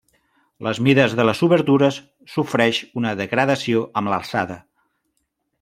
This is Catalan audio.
Les mides de les obertures sofreix una degradació amb l'alçada.